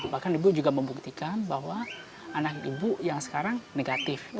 bahkan ibu juga membuktikan bahwa anak ibu yang sekarang negatif